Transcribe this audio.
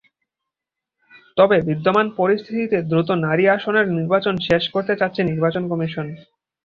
তবে বিদ্যমান পরিস্থিতিতে দ্রুত নারী আসনের নির্বাচন শেষ করতে চাচ্ছে নির্বাচন কমিশন।